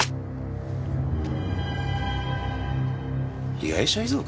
被害者遺族？